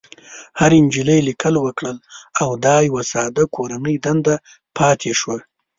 هرې نجلۍ ليکل وکړل او دا يوه ساده کورنۍ دنده پاتې شوه.